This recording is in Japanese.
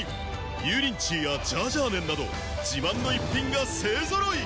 油淋鶏やジャージャー麺など自慢の逸品が勢揃い！